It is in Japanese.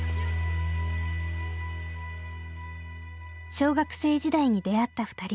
小学生時代に出会ったふたり。